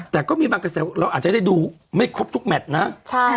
แต่ก็มีบางกระแสเราอาจจะได้ดูไม่ครบทุกแมทนะ